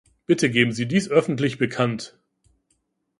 Bitte geben Sie dies öffentlich bekannt.